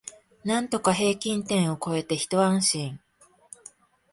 なんとか平均点を超えてひと安心